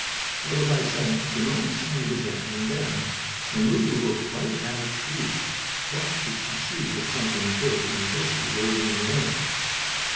Well, as I said, the noise sounded again, and then, when Lulu looked right at a tree, what should she see but something big and bushy, waving in the wind.